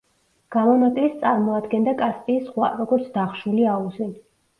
გამონაკლისს წარმოადგენდა კასპიის ზღვა, როგორც დახშული აუზი.